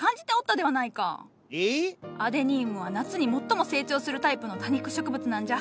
アデニウムは夏に最も成長するタイプの多肉植物なんじゃ。